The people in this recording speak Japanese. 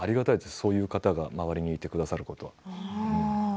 そういう方が周りにいてくださることは。